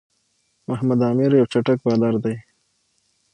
محمد عامِر یو چټک بالر دئ.